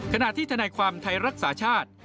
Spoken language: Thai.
ขณะที่ทนายความไทยรักษาชาติ